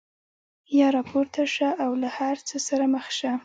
یا راپورته شه او له هر څه سره مخ شه.